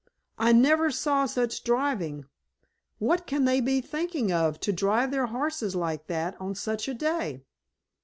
"I never saw such driving. What can they be thinking of to drive their horses like that on such a day!